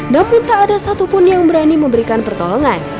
namun tak ada satupun yang berani memberikan pertolongan